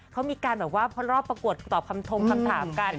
เขามีการแบบว่าเพราะรอบประกวดตอบคำทงคำถามกัน